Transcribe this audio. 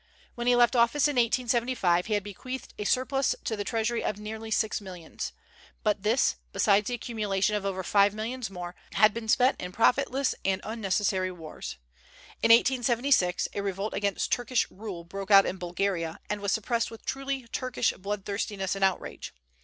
When he left office in 1875, he had bequeathed a surplus to the treasury of nearly six millions; but this, besides the accumulation of over five millions more, had been spent in profitless and unnecessary wars. In 1876 a revolt against Turkish rule broke out in Bulgaria, and was suppressed with truly Turkish bloodthirstiness and outrage.